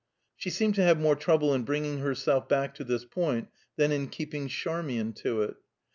She seemed to have more trouble in bringing herself back to this point than in keeping Charmian to it.